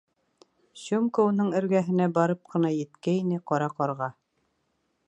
Сёмка уның эргәһенә барып ҡына еткәйне, Ҡара ҡарға: